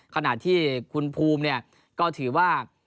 ขณะที่คุณภูมิเนี่ยก็ถือว่า